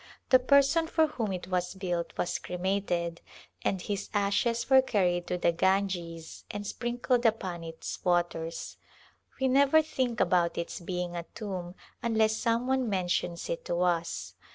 The person for whom it was built was cremated and his ashes were carried to the Ganges and sprinkled upon its waters. We never think about its being a tomb unless some one mentions it to us.